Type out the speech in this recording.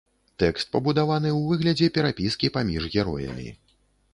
Тэкст пабудаваны ў выглядзе перапіскі паміж героямі.